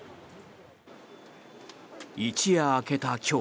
一夜明けた今日。